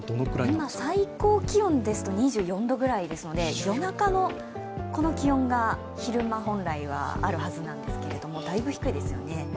今、最高気温ですと２４度くらいですので夜中のこの気温が昼間本来はあるはずなんですけれどもだいぶ低いですよね。